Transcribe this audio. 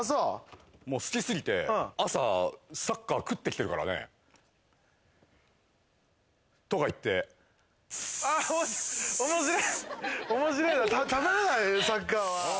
もう好きすぎて朝サッカー食ってきてるからねとか言ってツーああ